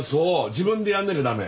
自分でやんなきゃ駄目？